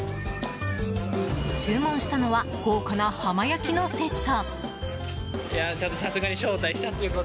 注文したのは豪華な浜焼きのセット。